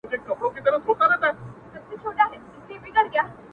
o چا چي په غېږ کي ټينگ نيولی په قربان هم يم ـ